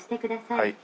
はい。